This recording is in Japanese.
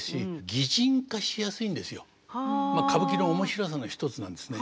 まあ歌舞伎の面白さの一つなんですね。